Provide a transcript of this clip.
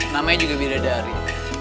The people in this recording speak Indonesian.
namanya juga bidadari